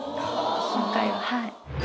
今回ははい。